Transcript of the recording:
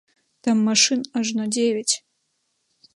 Там машын ажно дзевяць.